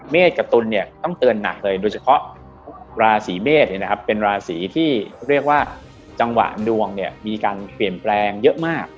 กับตุลเนี่ยต้องเตือนหนักเลยโดยเฉพาะราศีเมษเป็นราศีที่เรียกว่าจังหวะดวงเนี่ยมีการเปลี่ยนแปลงเยอะมาก